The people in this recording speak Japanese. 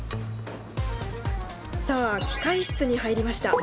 さあ機械室に入りました。